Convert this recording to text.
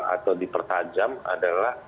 atau dipertajam adalah